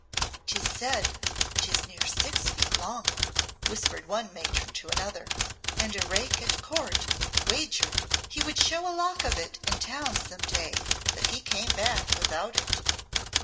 "'Tis said 'tis near six feet long," whispered one matron to another; "and a rake at Court wagered he would show a lock of it in town some day, but he came back without it."